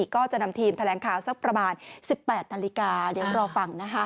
ก็จะนำทีมแถลงข่าวสักประมาณ๑๘นาฬิกาเดี๋ยวรอฟังนะคะ